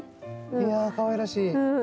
いやぁかわいらしい。